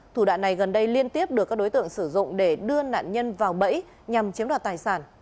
thủ đoạn này gần đây liên tiếp được các đối tượng sử dụng để đưa nạn nhân vào bẫy nhằm chiếm đoạt tài sản